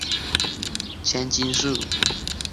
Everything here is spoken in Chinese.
千筋树